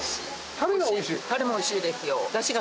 たれもおいしいですよ。